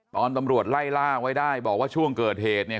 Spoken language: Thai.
ตำรวจไล่ล่าไว้ได้บอกว่าช่วงเกิดเหตุเนี่ย